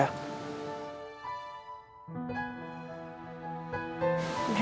aku mau ke surabaya